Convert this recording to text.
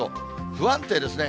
不安定ですね。